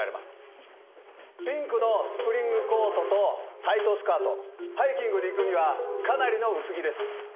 ピンクのスプリングコートとタイトスカートハイキングに行くにはかなりの薄着です。